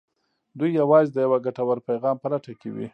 دوی يوازې د يوه ګټور پيغام په لټه کې وي.